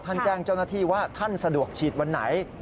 แจ้งเจ้าหน้าที่ว่าท่านสะดวกฉีดวันไหน